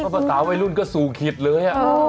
พระประสาวไว้รุ่นก็สูงคิดเลยอะ